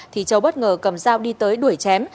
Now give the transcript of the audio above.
thì châu bất ngờ cầm dao đi tới đuổi chém